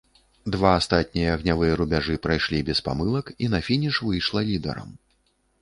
Два астатнія агнявыя рубяжы прайшлі без памылак і на фініш выйшла лідарам.